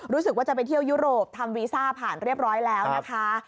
รู้สึกว่าจะไปเที่ยวยุโรปทำวีซ่าผ่านเรียบร้อยแล้วนะคะ